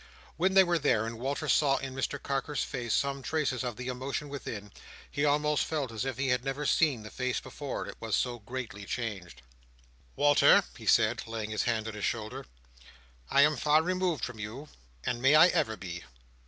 When they were there, and Walter saw in Mr Carker's face some traces of the emotion within, he almost felt as if he had never seen the face before; it was so greatly changed. "Walter," he said, laying his hand on his shoulder. "I am far removed from you, and may I ever be.